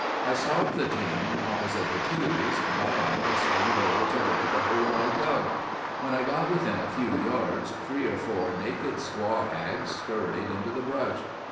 "I stopped the team opposite the tules, got out and started over to look at the hole I'd dug. When I got within a few yards three or four naked squaw hags scurried into the brush.